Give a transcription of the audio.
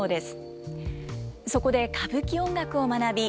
そこで歌舞伎音楽を学び